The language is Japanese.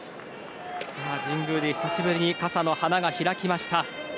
久しぶりに傘の花が開きました。